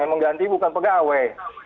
yang mengganti bukan pegawai